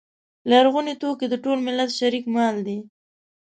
لرغوني توکي د ټول ملت شریک مال دی.